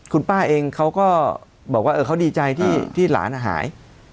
คุณป้าเองเขาก็บอกว่าเขาดีใจที่หลานหาย